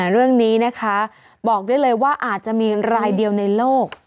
เรื่องนี้นะคะบอกได้เลยว่าอาจจะมีรายเดียวในโลก